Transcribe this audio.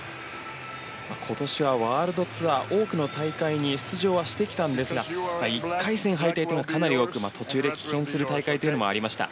今年はワールドツアー多くの大会に出場はしてきたんですが１回戦敗退というのがかなり多く、途中で棄権する大会もありました。